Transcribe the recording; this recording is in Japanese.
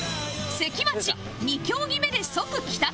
関町２競技目で即帰宅